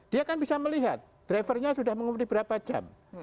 dia kan bisa melihat drivernya sudah mengemudi berapa jam